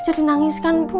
jadi nangis kan bu